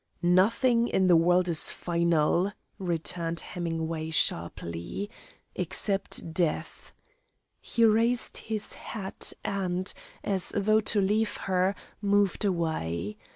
"Nothing in the world is final," returned Hemingway sharply, "except death." He raised his hat and, as though to leave her, moved away.